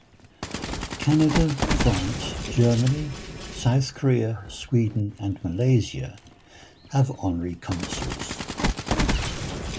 Canada, France, Germany, South Korea, Sweden and Malaysia have Honorary Consuls.